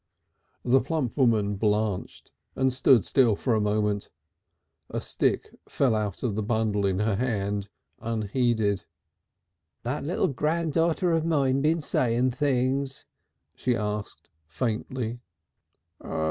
The plump woman blanched and stood still for a moment. A stick fell out of the bundle in her hand unheeded. "That little granddaughter of mine been saying things?" she asked faintly.